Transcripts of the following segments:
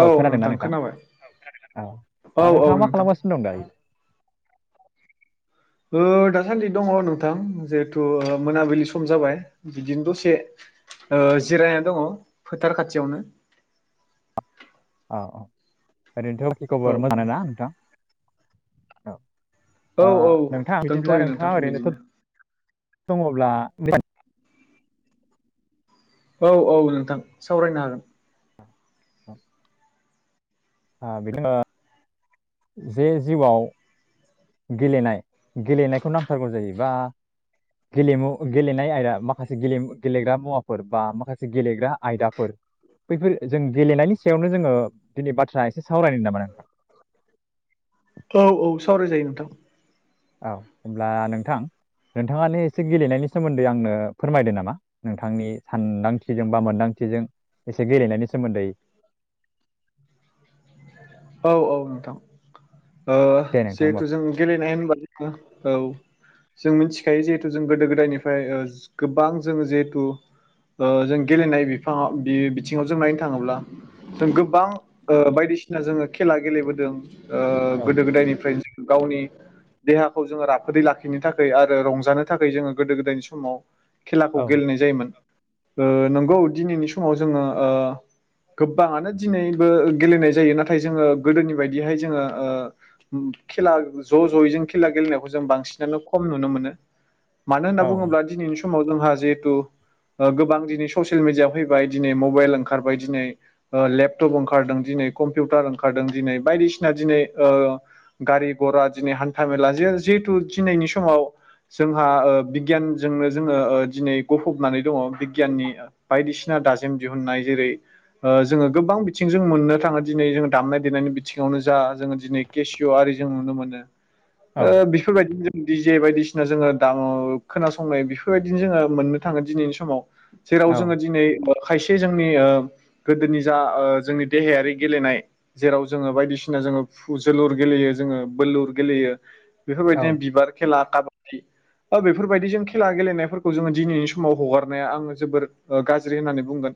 औ खोनादोंना नोंथां अ औ अ नोंथाङा मा नोंथां खालामगासिनो दं दायो ओ दासान्दि दंङ नोंथां जिहेथु मोनाबिलि सम जाबाय बिदिनो दसे ओ जिरायना दङ फोथार खाथियावनो। [unintelligible] अ-अ ओरैनोथ खि खबर औ मोजांआनो ना नोंथां औ ओ औ औ नोंथां बिदिब्ला दोनथ'यो नोंथां नोंथाङा ओरैनोथ' बिदिनो दङब्ला औ- औ नोंथां सावरायनो हागोन औ ह बिखौनो जे जिउआव गेलेनाय गेलेनायखौ नांथारगौ जायोबा गेलेमु गेलेनाय आयदा माखासे गेले गेलेग्रा मुवाफोर बा माखासे गेलेग्रा आयदाफोर बैफोर जों गेलेनायनि सायावनो जोङो दिनै बाथ्रा एसे सावरायनो नामा नोंथां औ औ सावरायजायो नोंथां। औ होनब्ला नोंथां नोंथाङानो एसे गेलेनायनि सोमोन्दै आंनो फोरमायदो नामा नोंथांनि सानदांथिजों बा मोनदां थिजों एसे गेलेनायनि सोमोन्दै औ औ नोंथां। ओ दे नोंथां होमबा जिहेथु जों गेलेनाय होनबा जोङो औ। जों मिथिखायो जिहेथु जों गोदो गोदायनिफ्राय ओ गोबां जोङो जिहेथु ओ जों गेलेनाय बिफांव बे बिथिङाव जों नायनो थाङोब्ला जों गोबां ओ बायदि बायदिसिना जोङो खेला गेलेबोदों ओ औ गोदो गोदायनिफ्रायनो गावनि देहाखौ जोङो राफोदै लाखिनो थाखै आरो रंजानो थाखै जोङो गोदो गोदायनि समाव औ खेलाखौ गेलेनाय जायोमोन ओ नंगौ दिनैनि समाव जोङो ओ गोबाङानो दिनैबो गेलेनाय जायो नाथाय जोङो गोदोनि बायदिहाय जोङो ओ खेला ज' ज'यै जों खेला गेलेनायखौ जों बांसिनानो खम नुनो मोनो। मानो औ होनना बुङोब्ला दिनैनि समाव जोंहा जिहेथु ओ गोबां दिनै ससियेल मिडिया फैबाय दिनै मबेल ओंखारबाय दिनै लेपटप ओंखारदों दिनै कम कम्पुटार ओंखारदों दिनै बायदिसिना दिनै ओ गारि गरा दिनै हान्था मेला जिहेथु दिनैनि समाव जोंहा ओ बिगियानजोंनो जोङो ओ दिनै गफबनानै दङ बिगियाननि बायदिसिना दाजेम दिहुननाय जेरै ओ जोङो गोबां बिथिंजों मोननो थाङो। दिनै जोङो दामनाय देनायनि बिथिङावनो जा जोङो दिनै केसिय' आरि जों नुनो मोनो। औ ओ बेफोरबायदि। जे बायदिसिना जोङो दाम खोनासंनाय बेफोरबायदिनो जोङो मोननो थाङो दिनैनि समाव। जेराव औ जोङो दिनै खायसे जोंनि ओ गोदोनि जा ओ जोंनि देहायारि गेलेनाय जेराव जोङो बायदिसिना जोङो जोलुर गेलेयो जोङो बोलुर गेलेयो। औ बेफोरबायदिनो बिबार खेला काबादि बा बेफोरबायदि जों खेला गेलेनायफोरखौ जोङो दिनैनि समाव हगारनाया आङो जोबोर गाज्रि ओ होननानै बुंगोन।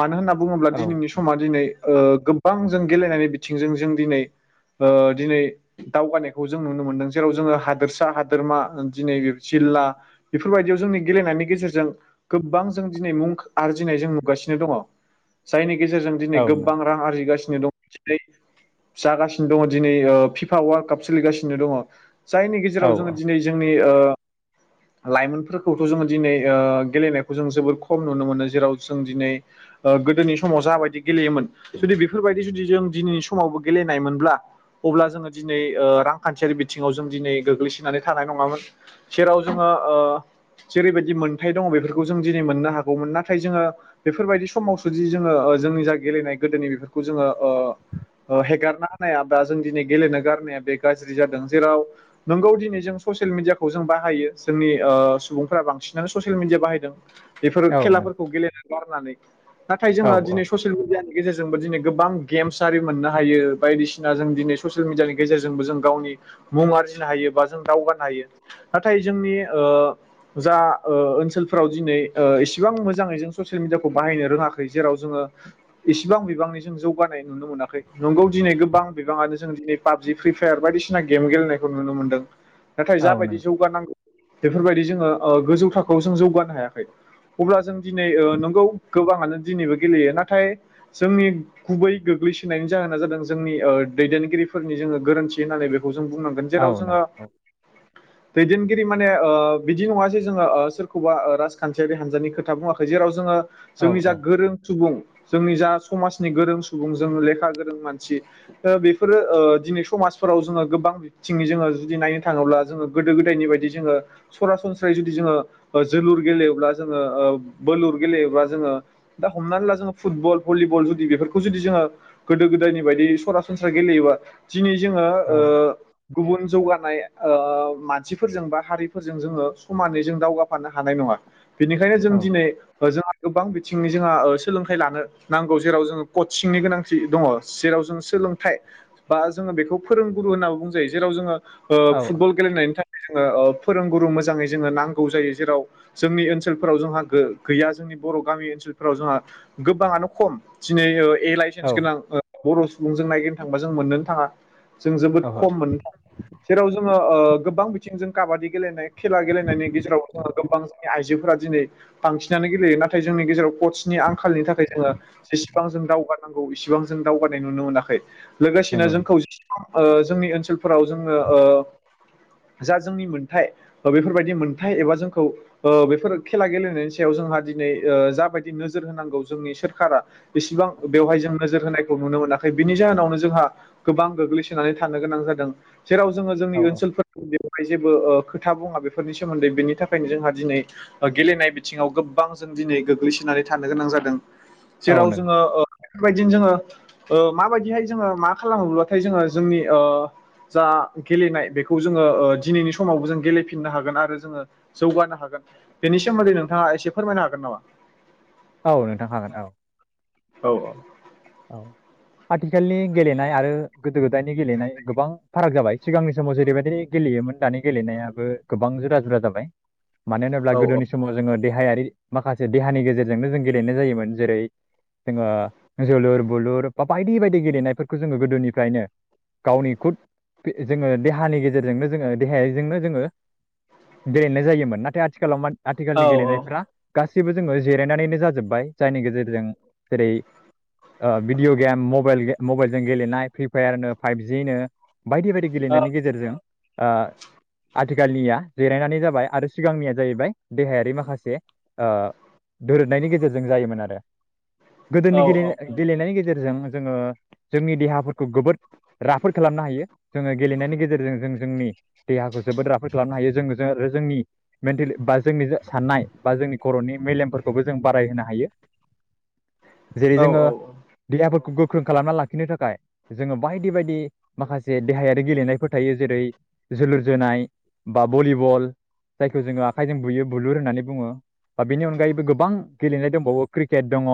मानो होनना बुङोब्ला औ दिनैनि समा दिनै ओ गोबां जों गेलेनायनि बिथिंजों जों दिनै ओ दिनै दावगानायखौ जों नुनो मोनदों जेराव जोङो हादोरसा हादोरमा दिनै ला बेफोरबायदियाव जोंनि गेलेनायनि गेजेरजों गोबां जों दिनै मुं आरजिनाय जों नुगासिनो दङ जायनि गेजेरजों दिनै औ नों गोबां रां आरजिगासिनो जागासिनो दङ दिनै ओ फिफा वाल्ड काप सोलिगासिनो दङ। जायनि औ गेजेराव जोङो दिनै जोंनि ओ लाइमोनफोरखौथ' जोङो दिनै ओ गेलेनायखौ जों जोबोद खम नुनो मोनो जेराव जों दिनै ओ गोदोनि समाव जाबायदि गेलेयोमोन। बेफोरबायदि जुदि जों दिनैनि समावबो गेलेनाय मोनब्ला अब्ला जोङो दिनै ओ रांखान्थियारि बिथिङाव जों दिनै गोग्लैसोनानै थानाय नङामोन जेराव जोङो। ओ- ओ जेरैबायदि मोनथाय दङ बेफोरखौ जों दिनै मोननो हागौमोन नाथाय जोङो बेफोरबायदि सम मावसुदि जोङो जोंनि जा गेलेनाय गोदोनि बेफोरखौ जोङो ओह ओह हेगारना होनाया दा जों दिनै गेलेनो गारनाया बे गाज्रि जादों जेराव नोंगौ दिनै जों ससियेल मिडियाखौ जों बाहायो जोंनि ओह सुबुंफोरा बांसिनानो ससियेल मिडिया बाहायदों। बेफोर औ नों खेलाफोरखौ गेलेनानै बारनानै नाथाय औ जोङो दिनै ससियेल मेडियानि गेजेरजोंबो दिनै गोबां गेम्स आरि मोननो हायो बायदिसिना जों दिनै ससियेल मिडियानि गेजेरजोंबो जों गावनि मुंङारि बुजिनो हायोब्ला जों दावगानो हायो नाथाय जोंनि जा ओनसोलफ्राव बे ओ ऐसेबां मोजांयै जों ससियेल मिडियाखौ बाहायनो रोंङाखै जेराव जोंङो इसेबां बिबांनि जों जौगानाय नुनो मोनाखै नंगौ दिनै गोबां बिबाङानो जों दिनै पाबजि फ्रि फायार बायदिसिना गेम गेलेनायखौ नुनो मोनदों नाथाय औ जाबायदि नों जौगानांगौ बेफोरबायदि जोङो ओ गोजौ थाखोआव जों जौगानो हायाखै अब्ला जों दिनै नंगौ गोबाङानो दिनैबो गेलेयो नाथाय जोंनि गुबै गोग्लैसोनायनि जाहोना जादों जोंनि दैदेनगिरिफोरनि जोङो गोरोन्थि होननानै बे जों बुंनांगोन औ जेराव नों जोङो औ दैदेनगिरि माने ओह बिदि नङा जे जोङो ओह सोरखौबा ओह राजखान्थियारि हानजानि खोथा बुङाखै जे जेराव जोङो औ जोंनि जा औ गोरों सुबुं जोंनि जा समाज गोरों सुबुं जों लेखा गोरों मानसि ओह बेफोरो ओह दिनै समाजफोराव जोङो गोबां थिंयै जोङो जुदि नायनो थाङोब्ला जोङो गोदो गोदायनि बायदि जोङो सरासनस्रायै जुदि जोङो जोलुर गेलेयोब्ला जों ओ बोलुर गेलयोब्ला जोंङो दा हमना ला जोंङो फुथबल, बुलिबल बेफोरखौ जुदि जोङो गोदो गोदायनि बायदि सरासनस्रा गेलेयोबा दिनै जोङो औ ओ गुबुन जौगानाय ओ मानसिफोरजों बा हारिफोरजों जोङो समानै जों दावगाफानो हानाय नङा बेनिखायनो जों दिनै जोंहा गोबां बिथिंनि जोंहा ओ सोलोंथाइ लानो नांगौ जेराव जोङो कचिंनि गोनांथि दङ जेराव जों सोलोंथाइ बा जोङो बेखौ फोरोंगुरु होननानानै बुङो जायो जेराव जोङो औ फुटबल गेलेनायनि थाखाय ओ औ फोरोंगुरु मोजाङै जोङो नांगौ जायो जेराव जोंनि ओनसोलफोराव जोंहा गै गैया जोंनि बर' गामि ओनसोलफोराव जोंहा गोबाङानो खम दिनै ओह ए लाइसेन्स गोनां ओह बर' सुबुंजों नायगिरनो थांबा जों मोननोनो थाङा जों जोबोद खम मोननो जेराव जो ङो ओ गोबां बिथिंजों काबादि गेलेनाय खेला गेलेनायनि गेजेराव जोङो गोबां जोंनि आइजोफोरा दिनै बांसिनानो गेलेयो नाथाय जोंनि गेजेराव कस नि आंखालनि थाखाय जोङो जेसेबां जों दावगारानांगौ इसिबां जों दावगानाय नुनो मोनाखै ओहो लोगोसेनो नंगौ जोंखौ नोंथां ओ जोंनि ओनसोलफोराव जोङो ओ जा जोंनि मोनथाय ओह बेफोरबायदि मोनथाय एबा जोंखौ ओह बेफोर खेला गेलेनायनि सायाव जोंहा दिनै जाबायदि नोजोर होनांगौ जोंनि सोरखारा इसिबां बेवहाय जों नोजोर होनायखौ नुनो मोनाखै बिनि जाहोनावनो जोंहा गोबां गोग्लैसोनानै थानो गोनां जायो जेराव जोङो औ जोंनि औ ओनसोलफोर जेबो ओह खोथा बुंआ बेफोरनि सोमोन्दै बेनि थाखायनो जोंहा दिनै गेलेनाय बिथिङाव गोबां जों दिनै गोग्लैसोनानै थानो गोनां जादों औ जेराव नंगौ जोङो बेफोरबायदिनो जोङो ओह माबायदिहाय जोङो मा खालामोब्लाथाय जोङो जोंनि ओह जा गेलेनाय बेखौ जोङो ओह दिनैनि समावबो जों गेलेफिननो हागोन आरो जोङो जौगानो हागोन बेनि सोमोन्दै नोंथाङा एसे फोरमायनो हागोन नामा औ नोंथां हागोन औ औ अ औ आथिखालनि गेलेनाय आरो गोदो गोदायनि गेलेनाय गोबां फाराग जाबाय सिगांनि समाव जेरैबायदि गेले योमोन दानि गेलेनायाबो गोबां जुदा जुदा जाबाय मानो होनोब्ला औ गोदोनि समाव जोङो देहायारि माखासे देहानि गेजेरजोंनो जों गेलेनाय जायोमोन जेरै जोङो जोलुर बोलुर बा बायदि बायदि गेलेनायफोरखौ जोङो गोदोनिफ्रायनो गावनि खुद जोङो देहानि गेजेरजोंनो जोङो देहायजोंनो जोङो गेलेनाय जायोमोन नाथाय आथिखालाव औ आथिखालनि गेलेनाफ्रा गासिबो जोङो जिरायनानैनो जाजोब्बाय जायनि गेजेरजों जेरै ओ भिदिअ गेम मबाइल जों गेलेनाय फ्रिपायार नो फापजिनो बायदि बायदि औ गेलेनायनि गेजेरजों ओ आ थिखालनिया जिरायनानै जाबाय आरो सिगांनिया जाहैबाय देहायारि माखासे ओ दोरोबनायनि गेजेरजों जायोमोन आरो औ गोदोनि गेले गेलेनायनि गेजेरजों जोङो जोंनि देहाफोरखौ गोबोद राफोद खालामनो हायो जोङो गेलेनायनि गेजेरजों जों जोंनि देहाखौ जोबोद राफोद खालामनो हायो जों जों जोंनि मेन्टेलि बा जोंनि साननाय बा जोंनि खर'नि मेलेमफोरखौबो जों बारायहोनो हायो जेरै औ जोङो देहाफोरखौ गोख्रों खालामना लाखिनो थाखाय जोङो बायदि बायदि माखासे देहायारि गेलेनायफोर थायो जेरै जोलुर जोनाय बा भलिबल जायखौ जोङो आखाइजों बुयो बुलुर होननानै बुङो। बा बेनि अनगायैबो गोबां गेलेनाय दंबावो क्रिकेट दङ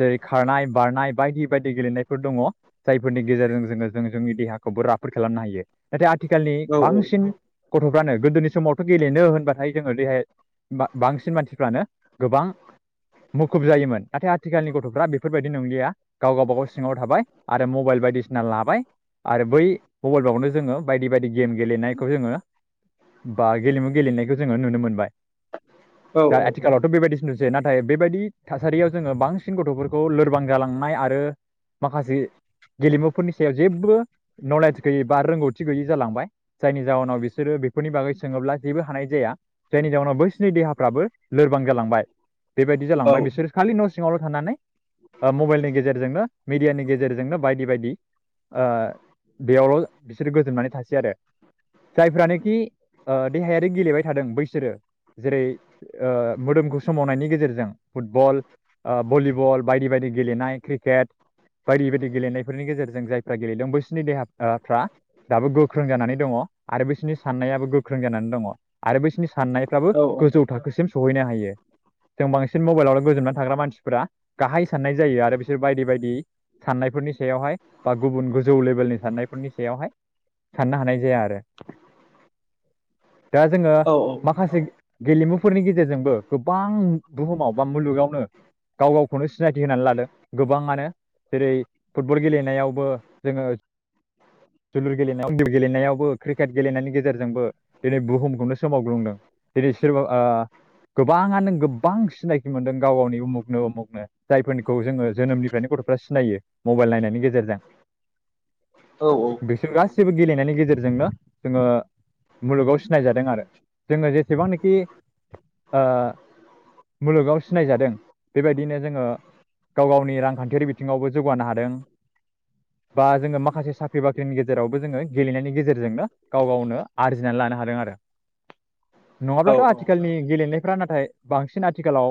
जेरै खारनाय बारनाय बायदि बायदि गेलेनायफोर दङ जायफोरनि गेजेरजों जोङो जों जोंनि देहाखौबो राफोद खालामनो हायो नाथाय आथिखालनि औ बांसिन गथ'फ्रानो गोदोनि समावथ' गेलेनो होनबाथाय जोङो देहाय बांसिन मानसिफ्रानो गोबां मुखुब जायोमोन नाथाय आथिखालनि गथ'फ्रा बेफोर बेबायदि नंलिया गाव गावबा गाव सिङाव थाबाय आरो मबाइल बायदिसिना लाबाय। आरो बै मबाइलफ्रावनो जोङो बायदि बायदि गेम गेलेनायखौ जोङो बा गेलेमु गेलेनायखौ जोङो नुनो मोनबाय। दा आथिखालावथ' बेबायदिस नुसै नाथाय बेबायदि थासारियाव जोङो बांसिन गथ'फोरखौ खौ लोरबां जालांनाय आरो माखासे गेलेमुफोरनि सायाव जेबो नलेज गैयै बा रोंगौथि गैयि जालांबाय जायनि जााहोनाव बिसोरो बेफोरनि बागै सोङोब्ला जेबो हानाय जाया जायनि जाउनाव बैसिनि देहाफ्राबो लोरबां जालांबाय। बेबायदि जालांबाय बिसोर खालि न' सिङावल' थानानै ओ मबाइलनि गेजेरजोंनो मिडियानि गेजेरजोंनो बायदि -बायदि ओ बेयावल' बिसोरो गोजोननानै थासै आरो जायफ्रानोखि ओ देहायारि गेलेबाय थादों बैसोरो जेरै मोदोमखौ सोमावनायनि गेजेरजों फुटबल, ओ भलिबल बायदि बायदि गेलेनाय क्रिकेट बायदि बायदि गेलेनायफोरनि गेजेरजों जायफ्रा गेलेदों बैसोरनि देहाफ्रा दाबो गोख्रों जानानै दङ आरो बैसिनि साननायाबो गोख्रों जानानै दङ आरो बैसिनि साननायफ्राबो गोजौ थाखोसिम सहैनो हायो जों बांसिन मबाइलावनो गोजोननानै थाग्रा मानसिफोरा गाहाय साननाय जायो आरो बिसोर बायदि- बायदि साननायफोरनि सायावहाय बा गुबुन गोजौ लेभेलनि साननायफोरनि सायावहाय साननो हानाय जाया आरो दा जोङो औ माखासे गेलेमुफोरनि गेजेरजोंबो गोबां बुहुमाव बा मुलुगावनो गाव -गाव खौनो सिनायथि होनानै लादों गोबाङानो। जेरै फुटबल गेलेनायावबो जोङो जोलुर [unintelligible] गेलेनायावबो क्रिकेट गेलेनायनि गेजेरजोंबो दिनै बुहुमखौनो सोमावग्रुंदों दिनै बिसोरबा ओ गोबाङानो गोबां सिनायखि मोनदों गाव गावनि उमुखनो उमुग [unintelligible] जोङो जोनोमनिफ्रायनो गथ'फ्रा सिनायो मबाइल नायनायनि गेजेरजों बेसोर गासैबो गेलेनायनि गेजेरजोंनो जोङो मुलुगाव सिनायज जादों आरो जोङो जेसेबांनाखि ओ मुलुगाव सिनायजादों बेबायदिनो जोङो गाव गावनि रांखान्थियारि बिथिङावबो जौगानो हादों। बा जोङो माखासे साख्रि बाख्रिनि गेजेरावबो जोङो गेलेनायनि गेजेरजोंनो गाव गावनो आरजिनानै लानो हादों आरो। [inaudible] औ नङाब्लाथ' आथिखालनि गेलेनायफ्रा नाथाय बांसिन आथिखालाव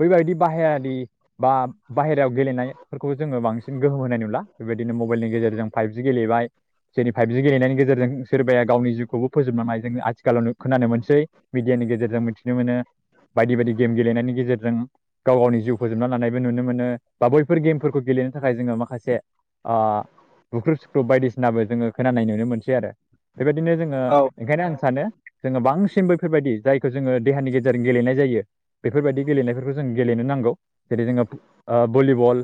बैबायदि बाहायारि बा बाहेरायाव गेलेनायफोरखौ जोङो बांसिन गोहोम होनाय नुला बेबायदिनो मबाइलनि गेजेरजों फाइबजि गेले हैबाय जेरै फाइभजि गेलेनायनि गेजेरजो सोरबाया गावनि जिउखौबो फोजोबना-नाय जोंनो आथिखालावनो खोनानो मोनसै मिदिया नि गेजेरजों मिथिनो मोनो बायदि बायदि गेम गेलेनायनि गेजेरजों गाव गावनि जिउ फोजोबना लानायबो नुनो मोनो बा बैफोर गेमफोरखौ गेलेनो थाखाय जोङो माखासे आ बुख्रुब सुख्रुब बायदिसिनाबो जोङो खोनानाय नुनो मोनसै आरो बेबायदिनो जोङो औ ओंखायनो आं सानो जोङो बांसिनबो बेफोरबायदि जायखौ जोङो देहानि गेजेरजों गेलेनाय जायो बेफोरबायदि गेलेनायफोरखौ जों गेलेनो नांगौ। जेरै जोङो ओ बलिबल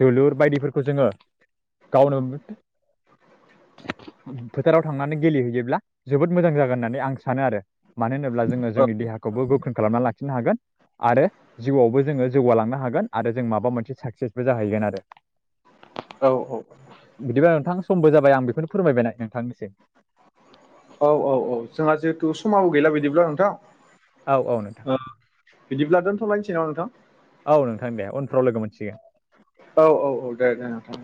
जोलुर बायदिफोरखौ जोङो गावनो [unintelligible] फोथाराव थांनानै गेलेहैयोब्ला जोबोद मोजां जागोन होननानै आं सानो आरो मानो होनोब्ला जोङो जोंनि देहाखौबो गोख्रों खालामनानै लाखिनो हागोन आरो जिउआवबो जोङो जौगालांनो हागोन आरो जों माबा मोनसे साकसेसबो जाहैगोन आरो औ बिदिबा नोंथां समबो जाबाय आं बेखौनो फोरमायबायनाय नोंथांनिसिम। औ औ औ जोंहा जितु समाबो गैला बिदिब्ला नोंथां। औ औ नोंथां। बिदिब्ला दोनथ'लायसै नामा नोंथां? औ नोंथां दे उनफ्राव लोगो मोनसिगोन। औ औ औ दे दे नोंथां।